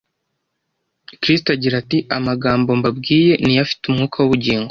Kristo agira ati: “Amagambo mbabwiye ni yo afite umwuka n’ubugingo.”